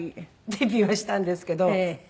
デビューをしたんですけど。